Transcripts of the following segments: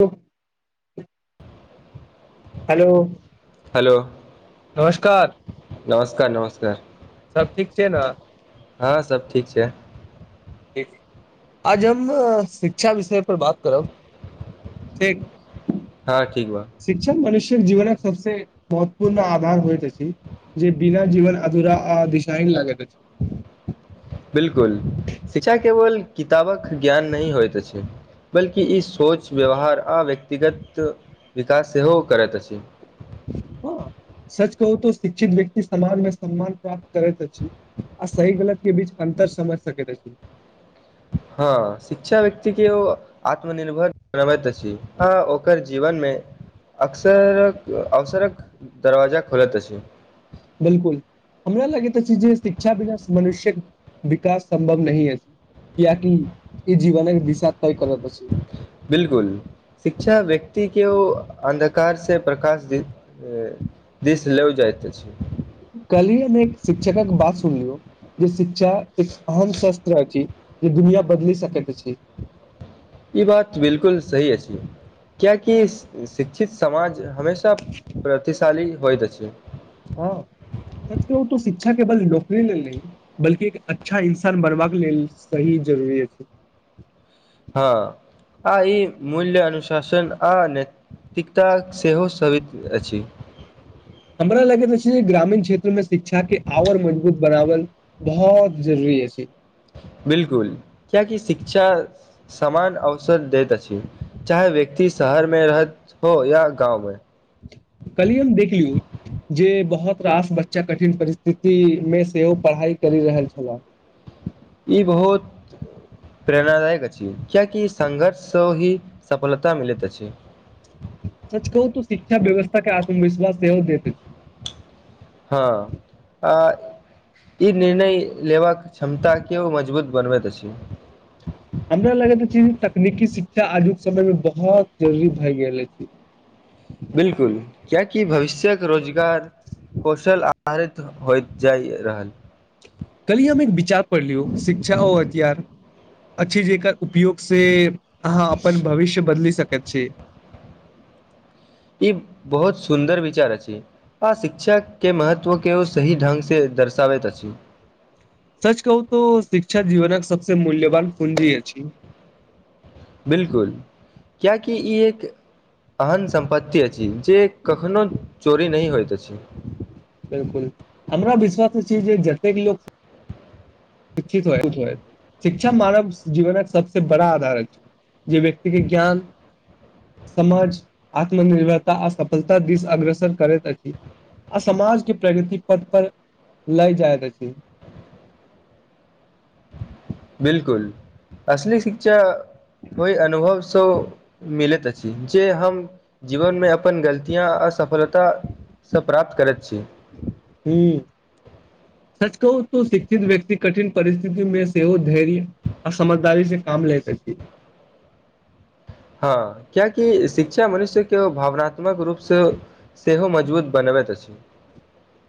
[unintelligible] Hello hello नमस्कार नमस्कार नमस्कार सभ ठीक छै ने हँ सभ ठीक छै ठीक आज हम शिक्षा विषय पर बात करब ठीक हँ ठीक बा शिक्षण मनुष्यक जीवनक सबसे महत्वपूर्ण आधार होइत अछि जे बिना जीवन अधूरा आ दिशाहिन लागेत अछि बिल्कूल शिक्षा केवल किताबक ज्ञान नहि होइत अछि बल्कि ई सोच व्यवहार आ व्यक्तिगत विकास सेहो करैत अछि हँ सच कहू तऽ शिक्षित व्यक्ति समाज मे सम्मान प्राप्त करैत अछि आ सही गलत के बीच अन्तर समझ सकेत अछि हँ शिक्षा व्यक्ति के ओ आत्मनिर्भर बनबैत अछि अ ओकर जीवनमें अक्सरक अवसरक दरवाजा खोलैत अछि बिल्कुल हमरा लगैत अछि जे शिक्षा बिना मनुष्यक विकास सम्भव नहि अछि कियाकि ई जीवनक दिशा तय करत अछि बिल्कुल शिक्षा व्यक्ति के अन्धकार से प्रकाश दिश दिश लो जाइत अछि कहलियए हम एक शिक्षकक केँ बात सुनलूं जे शिक् शिक्षा एक अहम शस्त्र अछि जे दुनिया बदलि सकैत अछि ई बात बिल्कुल सही अछि कियाकि शिक्षित समाज हमेशा तब प्रतिशाली होइत अछि हँ सच कहु तऽ शिक्षा केबल नौकरी लेल नहीं बल्कि एक अच्छा इन्सान बनबाक के लेल सही जरूरी अछि हँ आ ई मूल्य अनुशासन आ नै तीकता सेहो साबित अछि हमरा लगैत अछि जे ग्रामीण क्षेत्रमें शिक्षा के आओर मजबूत बनावल बहुत जरूरी अछि बिल्कुल कियाकि शिक्षा समान अवसर दैत अछि चाहे व्यक्ति शहर में रहैत हो या गाँव में काल्हि हम देखलहुँ जे बहुत रास बच्चा कठिन परिस्थिति में सेहो पढ़ाइ करि रहल छलाह ई बहुत प्रेरणादायक अछि कियाकि संघर्ष सँ ही सफलता मिलैत अछि सच कहू तऽ शिक्षा व्यवस्था के आत्मविश्वास सेहो देत अछि हँ आ ई निर्णय लेबाक क्षमता केओ मजबूत बनबैत अछि हमरा लगेत अछि तकनीकी शिक्षा आजुक समय मे बहुत जरुरी भय गेल अछि बिलकुल कियाकि भविष्यक रोजगार कौशल आधारित होइत जाइत रहल काल्हि हम एक विचार पढ़ लियौ शिक्षा ओ हथियार अच्छे जेकर उपयोग से अहाँ अपन भविष्य बदलि सकैत छी ई बहुत सुन्दर विचार अछि आ शिक्षा के महत्व तो के सही ढंग से दर्शाबैत अछि सच कहू तऽ शिक्षा जीवनक सबसे मूल्यवान पूंजी अछि बिलकुल कियाकि ई एक एहन सम्पत्ति अछि जे कखनो चोरी नहि होइत अछि बिलकुल हमरा विश्वास अछि जे जतेक लोक शिक्षित शिक्षा मानवक जीवनक सबस बड़ा आधार अछि जे व्यक्ति के ज्ञान समाजक आत्मनिर्भरता आ सफलताकदिस अग्रसर करैत अछि आ समाज के प्रगति पथ पर लागय जाइत अछि बिलकुल अशली शिक्षा होइ अनुभव सँ मिलैत अछि जे हम जीवनमे अपन गलतियाँ असफलताक सँ प्राप्त करैत छी ही सच कहू त शिक्षित व्यक्ति कठिन परिस्थिति मे सेहो धैर्य आ समझदारी से काम लै त अछी हँ कियकि शिक्षा मनुष्य के भावनात्मक रूपसँ सेहो मजबूत बनबैत अछि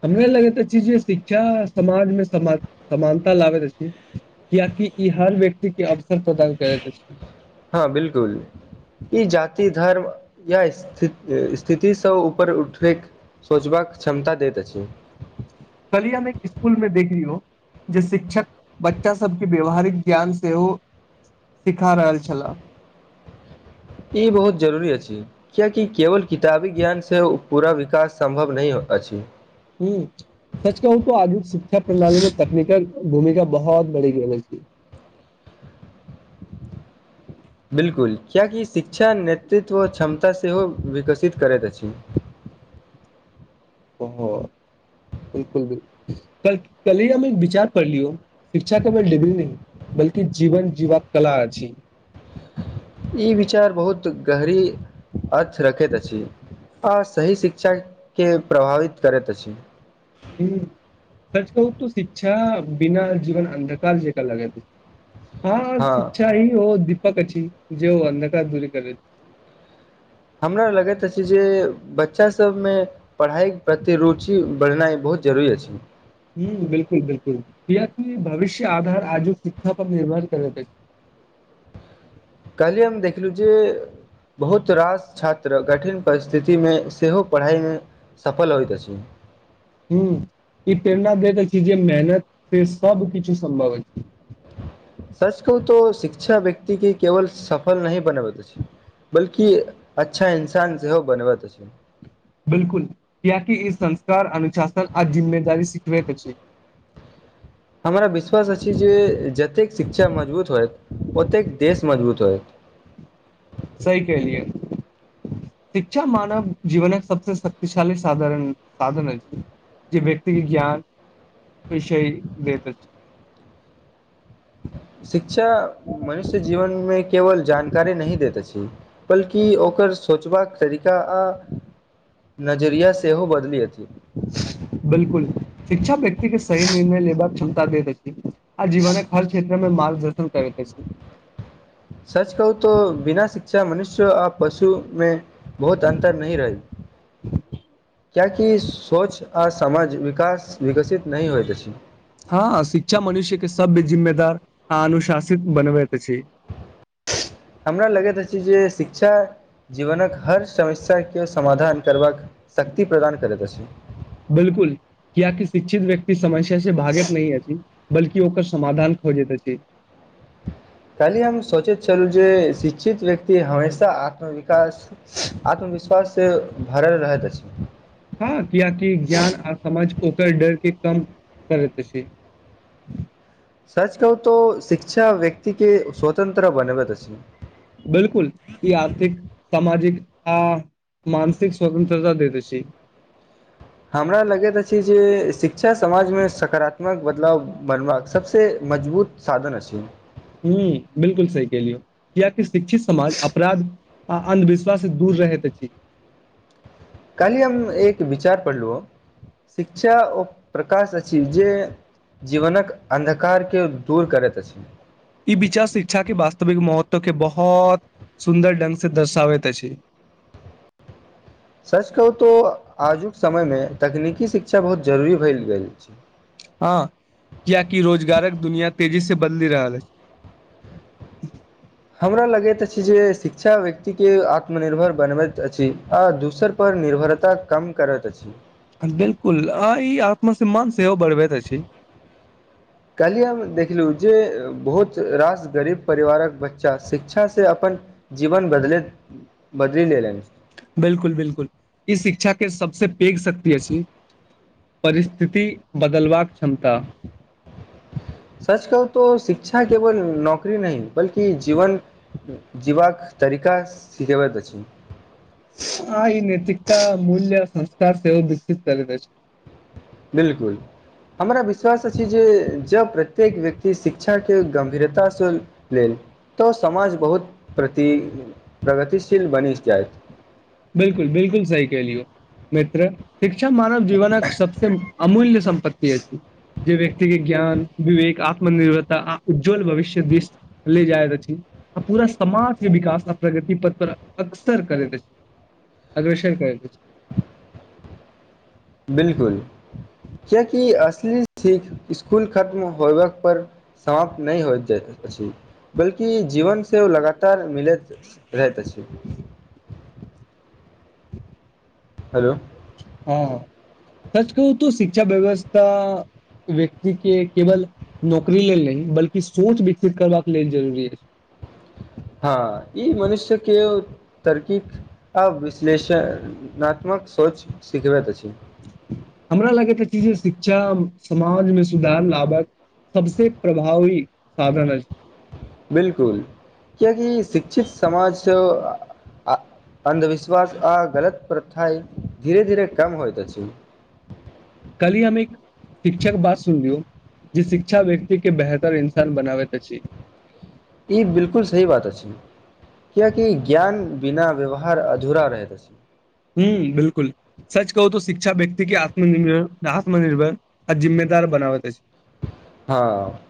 हमर लगैत शिक्षा समाजमे सम समानता लाबैत अच्छी कियाकि ई हर व्यक्ति के अवसर प्रदान करैत अछि हँ बिलकुल ई जाति धर्म या स्थित स्थितिसँ ऊपर उठबैके सोचबाक क्षमता दैत अछि कलियामे एक स्कूल मे देखी यौ जे शिक्षक बच्चा सबके व्यवहारिक ज्ञान सेहो सिखा रहल छलाहंऽ ई बहुत जरूरी अछि किियकि केवल किताबी ज्ञानसँ पूरा विकास सम्भव नहि अछि ह सच कहा हू त आधुनिक शिक्षा प्रणाली में तकनीकल भूमिका बहुत बढ़ी गेल अछि बिल्कुल कियकि शिक्षा नेतृत्व क्षमता सेहो विकसित करैत अछि ओ बिलकुल बिलकुल कनी हम एक विचार पढ़लियौ शिक्षा के बे डिग्री नहि बल्कि जीवन जीवा के कला अछि ई विचार बहुत गहरी अर्थ रखैत अछि आ सही शिक्षाके प्रभावित करैत अछि ह सच कहू तऽ शिक्षा बिना जीवन अन्धकार जेका लगे दे छैय हँ शिक्षा ही ओ दीपक अ छी जे अन्धकार दूरी करैय हमरा लगैत अछि जे बच्चा सब मे पढ़ाई प्रति रुचि बढ़नाइ बहुत जरूरी अछि ह बिल्कुल बिल्कुल कियाक भविष्य को आधार आजुक शिक्षा पर निर्भर करे काली हम देखलहुँ जे बहुत रास छात्र कठिन परिस्थिति मे सेहो पढ़ाई मे सफल होइ तस ह ई प्रेरण दैत अछी जे मेहनत से सबकछु सम्भव छैय सच कहू तऽ शिक्षा व्यक्ति केवल सफल नहि बनेब त बल्कि अच्छा इन्सान सेहो ब नैत बिल्कुल कियकि इ संस्कार अनुशासन आ जिम्मेदारी सिखबैत अछि हमरा विश्वास अछि जे जतेक शिक्षा मजबूत होए ओतेक देश मजबूत होएत सही कहलियए शिक्षा मानव जीवन सब से शक्तिशाली साधन अछि जे व्यक्ति के ज्ञान विषय देत अछि शिक्षा मनुष्य जीवन मे केवल जानकारी नही देत अछि बल्कि ओकर सोचबाक तरीका आ नजरिया सेहो बदले अथि बिल्कुल शिक्षा व्यक्ति के सही निर्णय लेबाकऽ क्षमता दैत अैछि आ जीवन कऽ हर क्षेत्र मे मारगदर्शन करैत अछि सच कहू तऽ बिना शिक्षा मनुष्य आ पशु मे बहुत अन्तर नही रहैत किया कि स्वच्छ आ समझ विकास विकसित नहि होइत अछि हा शिक्षा मनुष्य के सभ जिम्मेदार आ अनुशासित बनबैत अछि हमरा लगैत अछि जे शिक्षा। जीवनक हर समस्या के समाधान करबाकऽ शक्ति प्रदान करैत अछि बिल्कुल कियाकि शिक्षित व्यक्ति समस्या से भागैत नै हा अछि बल्कि ओकर समाधान खोजै तऽ अछि काली हम सोचै तऽ छलहुँ जे शिक्षित व्यक्ति हमेशा आत्मविकास आत्मविश्वास से भरल रहैत अछि ह कियकि ज्ञान और समझ ओकर डर के काम करैत अछि सच्च कहू तो शिक्षा व्यक्ति के स्वतंत्र बनेबै अछि बिल्कुल ई आर्थिकऽ सामाजिक आ मानसिक स्वतंत्रता देत अछी हमरा लगैत अछि जे शिक्षा समाज मे सकारात्मक बदलाव बनबाकऽ सभ से मजबूत साधन अछि हू बिल्कुल सही केलियौ कियाकि शिक्षित समाज अपराध आ अन्धविश्वास से दूर रहेत अछि काल्हि हम एक विचार पढ़लु शिक्षा ओ प्रकाश अछि जे जीवन कऽ अन्धकार के दूर करैत अछि ई विचार शिक्षा के वास्तविक महत्व के बहोत सुन्दर ढंग से दर्शाबैत अछि सच्च कहू तऽ आजुक समय मे तकनीकी शिक्षा बहुत जरूरी भेल गेल छै हा कियाकि रोजगारक दुनिया तेजी से बदलि रहल अैछ हमरा लगैत अछि जे शिक्षा व्यक्ती के आत्मनिर्भर बनबैत अछि आ दोसर। पर निर्भरता कम करैत अछि। बिल्कुल आइ आत्म सम्मान सेहो बढ़बैत अछि कैलियै हम देखलहु जे बहुत रास गरीब परिवारक बच्चा शिक्षासँ अपन जीवन बदलेत बदैल एलेन बिल्कुल बिल्कुल ई शिक्षा के सभसे पेघ शक्ति अछि परिस्थिति बदलबाकऽ क्षमता सच कहु तो शिक्षा केवल नौकरी नहि बल्कि जीवन जीवाकऽ तरिका सिखबैत अछि आ ई नैतिकता मूल्य संस्कार सेहो बिगसित करैत अैछ बिल्कुल। हमरा विश्वास अछि जे जब प्रत्येक व्यक्ति शिक्षाके गम्भीरता सँ लेलऽ तऽ समाज बहुत प्रति प्रगतिशील बनि जेत बिल्कुल बिल्कुल सही कहलियौ मित्र शिक्षा मानव जीवनक सभसे अमूल्य सम्पत्ति अछि जे व्यक्ति के ज्ञान विवेकऽ आत्मनिर्भरता आ उज्ज्वल भविष्य दिस ले जाइत अछि आ पूरा समाज के विकास आ प्रगति पथ पर अक्सर करैत अछि। अदऽ शर करै बिल्कूल कियाकि असल सँ स्कूल खत्म होब पर समाप्त नै होइत अछि बल्कि जीवन से हो लगातार मिलैत रहैत अछि हलो आँ, सच कहू त शिक्षा व्यवस्था व्यक्ति के केवल नौकरी लेल नहि बल्कि सोच विकसित करबाक लेल जरूरी अछि हँ ई मनुष्य के तरकी आ विश्लेषणात्मक सोच सिखबैत अछि हमरा लगैत अछि जे शिक्षा समाजमे सुधार लाबत सबस प्रभाव साधण अछि बिल्कुल कियकि शिक्षित समाज सँ आ अन्धविश्वास आ गलत प्रथा धीरे धीरे कम होइत अछि कली हम एक शिक्षक बात सुन दियौ जे शिक्षा व्यक्ति के बेहतर इन्सान बनाबैत अछि ई बिल्कुल सही बात अछि कियकि ज्ञान बिना व्यवहार अधूरा रहैत अछि ह्म बिल्कुल सच कहू तऽ शिक्षा व्यक्तिके आत्मनिर्भर आत्मनिर्भर आ जिम्मेदार बनाबैत अछि हँ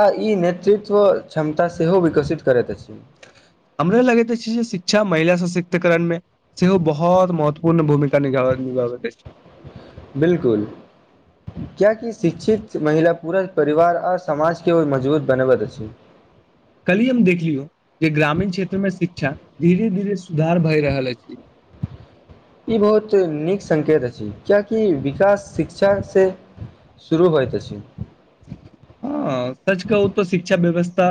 आ ई नेतृत्व क्षमता सेहो विकसित करैत अछि हमरे लगैत अछि जे शिक्षा महिला सशक्तिकरणमे सेहो बहुत महत्वपूर्ण भूमिका निभाब निभाबैत अछि बिल्कुल कियाकि शिक्षित महिला पुरा परिवार आओर समाज के ओ मजबूत बनाबैत अछि कल्हि हम देखलियो जे ग्रामीण क्षेत्र में शिक्षा धीरे धीरे सुधार भय रहल अछि ई बहुत नीक संकेत अछि कियाकि विकास शिक्षासँ शुरू होइत अछि हँ सच कहू तऽ शिक्षा व्यवस्था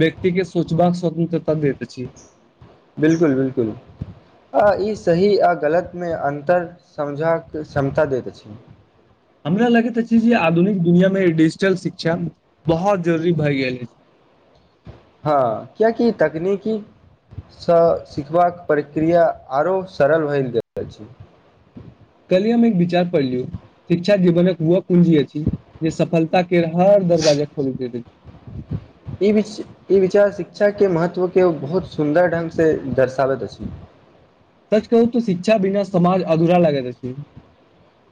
व्यक्ति के सोचबाक स्वतन्त्रता देैत अछि बिल्कुल बिल्कुल आ ई सही आ गलतमे अन्तर समझक क्षमता दैत अछि हमरा लगैत अछि जे आधुनिक दुनियामे डिजिटल शिक्षा बहुत जरुरी भए गेल अछि हँ कियाकी तकनीकी सँ सिखबाक प्रक्रिया आरो सरल भय गेल अछि कल्हि हममे एक विचार पढ़लु शिक्षा जीवनक ओ कुंजी अछि जे सफलता के हर दरवाजा खोल दैत ई ई विचार शिक्षा के महत्व के बहुत सुन्दर ढंग से दर्शाबैत अछि सच कहू तऽ शिक्षा बिना समाज अधूरा लागेत अछि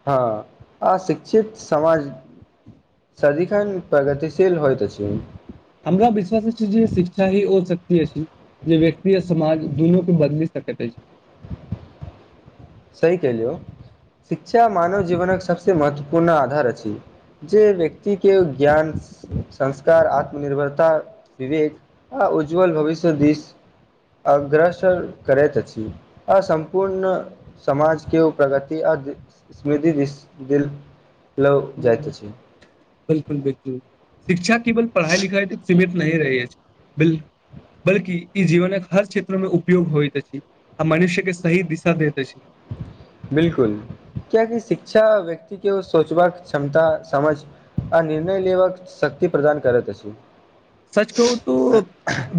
हँ आ शिक्षित समाज सदीखन प्रगतिशील होइत अछि हमरा विश्वास अछि जे शिक्षा ही ओ शक्ति अछि जे व्यक्ति आ समाज दुनू के बदलि सकैत अछि सही कलियौ शिक्षा मानव जीवनक सबसे महत्वपूर्ण आधार अछि जे व्यक्ति के ज्ञान संस्कार आत्मनिर्भरता विवेक आ उज्ज्वल भविष्यक दिस अग्रसर करैत अछि सम्पूर्ण समाजके ओ प्रगति आ स्मृति दिस ल जाइत अछि बिल्कुल बिल्कुल शिक्षा केवल पढ़ाई लिखाई तकऽ सीमित नहि रहै अछि बल्कि ई जीवनक के हर क्षेत्र में उपयोग होयइत अछि आ मनुष्य के सही दिशा दैत अछि बिलकुल क्याकि शिक्षा व्यक्ति के सोचबाक क्षमता समझ आ निर्णय लेबाक शक्ति प्रदान करैत अछि सच कहू तो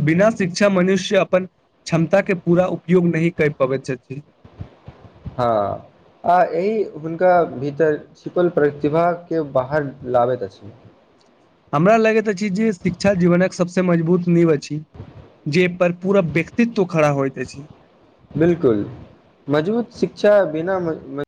बिना शिक्षा मनुष्य अपन क्षमता के पूरा उपयोग नहि कर पाबैत छथिन हँ आ एहि हुनका भीतर छिपल प्रतिभाके बाहर लाबैत अछि हमरा लगैत अछि जे शिक्षा जीवनक सभसँ मजबूत नीव अछि जे पर पूरा व्यक्तित्व खड़ा होयइत अछी बिल्कुल मजबूत शिक्षा बिना म म